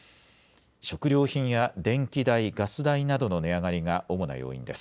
食料品や電気代、ガス代などの値上がりが主な要因です。